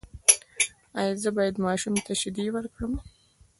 ایا زه باید ماشوم ته شیدې ورکړم؟